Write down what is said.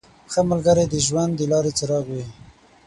• ښه ملګری د ژوند د لارې څراغ وي.